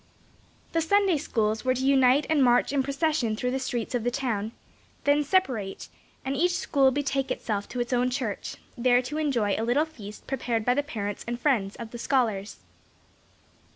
The Sunday schools were to unite and march in procession through the streets of the town, then separate, and each school betake itself to its own church, there to enjoy a little feast prepared by the parents and friends of the scholars.